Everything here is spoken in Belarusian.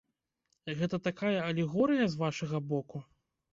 Гэта такая алегорыя з вашага боку?